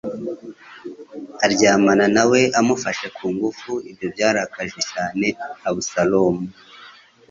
aryamana na we amufashe ku ngufu ibyo byarakaje cyane abusalomu